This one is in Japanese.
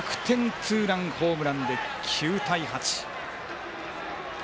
ツーランホームランで９対８。